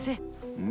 うん？